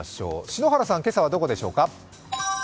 篠原さん、今朝はどこでしょうか。